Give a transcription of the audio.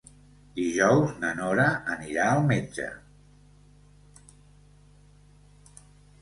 Dijous na Nora anirà al metge.